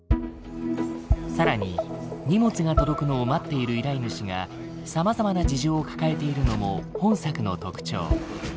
更に荷物が届くのを待っている依頼主がさまざまな事情を抱えているのも本作の特徴。